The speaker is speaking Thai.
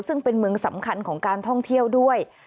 ซึ่งเป็นเมืองสำคัญของการท่องเที่ยวด้วย